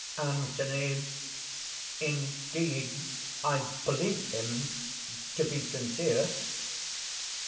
ANTHONY. "Indeed I believe him to be sincere."